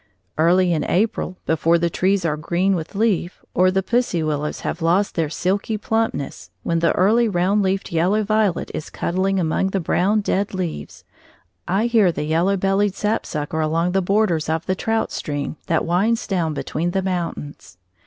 Early in April, before the trees are green with leaf, or the pussy willows have lost their silky plumpness, when the early round leafed yellow violet is cuddling among the brown, dead leaves, I hear the yellow bellied sapsucker along the borders of the trout stream that winds down between the mountains.